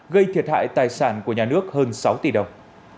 gây thiệt hại tài sản của nhà nước hơn sáu tỷ đồng